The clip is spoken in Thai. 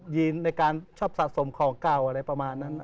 ในการชอบสะสมของเก่าอะไรประมาณนั้น